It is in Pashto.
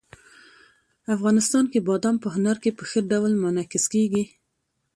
افغانستان کې بادام په هنر کې په ښه ډول منعکس کېږي.